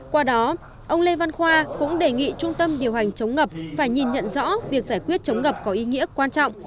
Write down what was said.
qua đó ông lê văn khoa cũng đề nghị trung tâm điều hành chống ngập phải nhìn nhận rõ việc giải quyết chống ngập có ý nghĩa quan trọng